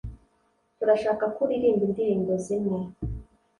turashaka ko uririmba indirimbo zimwe